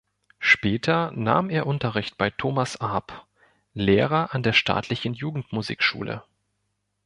Später nahm er Unterricht bei Thomas Arp, Lehrer an der staatlichen Jugendmusikschule.